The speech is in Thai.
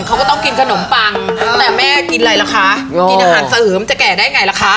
เขาก็ต้องกินขนมปังแต่แม่กินอะไรล่ะคะกินอาหารเสริมจะแก่ได้ไงล่ะคะ